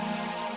aku tidak hanyut